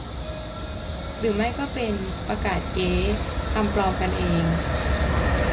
หรือไม่ก็เป็น "ประกาศเก๊" ทำปลอมกันเอง